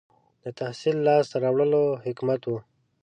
• د تحصیل لاسته راوړل حکمت و.